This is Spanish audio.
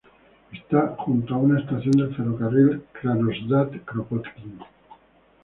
Está junto a una estación del ferrocarril Krasnodar-Kropotkin.